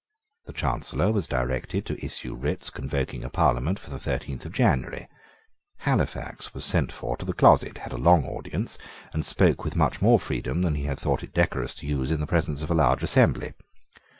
The Chancellor was directed to issue writs convoking a Parliament for the thirteenth of January. Halifax was sent for to the closet, had a long audience, and spoke with much more freedom than he had thought it decorous to use in the presence of a large assembly.